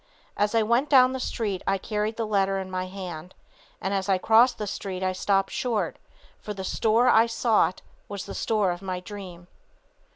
As I went down the street I carried the letter in my hand and as I crossed the street I stopped short, for the store I sought was the store of my dream.